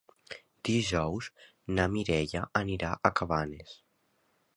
Dijous na Mireia anirà a Cabanes.